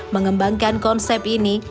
mengembangkan konsep ini